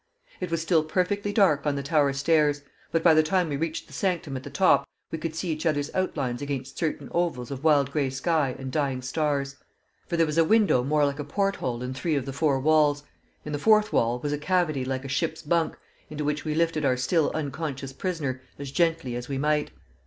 It was still perfectly dark on the tower stairs; but by the time we reached the sanctum at the top we could see each other's outlines against certain ovals of wild grey sky and dying stars. For there was a window more like a porthole in three of the four walls; in the fourth wall was a cavity like a ship's bunk, into which we lifted our still unconscious prisoner as gently as we might.